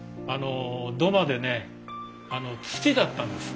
土間でね土だったんです。